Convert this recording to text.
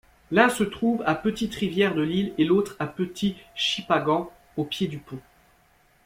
L'un se trouve à Petite-Rivière-de-l'Île et l'autre à Petit-Shippagan, au pied du pont.